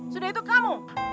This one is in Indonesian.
sudah itu kamu